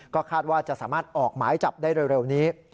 ก็คาดว่าจะสามารถออกหมายจับได้เร็วนี้